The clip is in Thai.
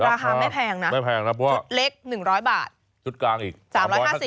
ราคาไม่แพงนะจุดเล็ก๑๐๐บาทจุดกลางอีก๓๕๐บาท